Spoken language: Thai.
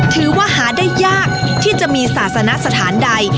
ถือว่าหาได้ยากที่จะมีศาสนสถานใด